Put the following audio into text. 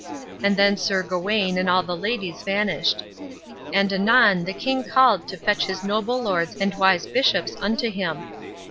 And then Sir Gawain and all the ladies vanished. And anon the king called to fetch his noble lords and wise bishops unto him.